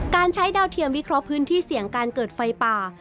การใช้ดาวเทียมวิเคราะห์พื้นที่เสี่ยงการเกิดไฟป่า